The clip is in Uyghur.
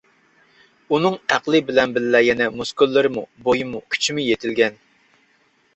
ئۇنىڭ ئەقلى بىلەن بىللە يەنە مۇسكۇللىرىمۇ، بويىمۇ، كۈچىمۇ يېتىلگەن.